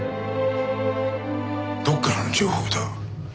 どこからの情報だ？